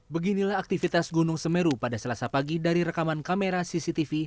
beginilah aktivitas gunung semeru pada selasa pagi dari rekaman kamera cctv